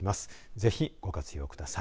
ぜひご活用ください。